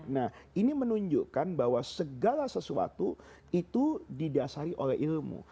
nah ini menunjukkan bahwa segala sesuatu itu didasari oleh ilmu